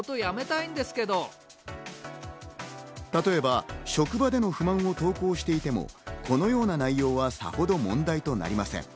例えば職場での不満を投稿していても、このような内容はさほど問題となりません。